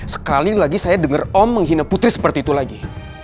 sekali lagi saya dengar om menghina putri seperti itu lagi